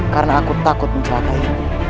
karena aku takut mencelakai